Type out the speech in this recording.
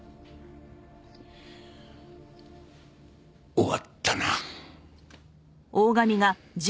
終わったな。